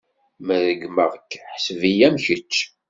Ma regmeɣ-k, ḥseb-iyi am kečč.